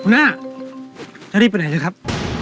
หัวหน้าจะรีบไปไหนเลยครับ